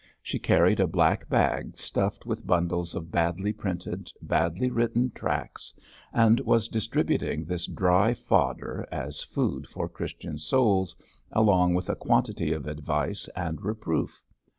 She carried a black bag stuffed with bundles of badly printed, badly written tracts, and was distributing this dry fodder as food for Christian souls, along with a quantity of advice and reproof.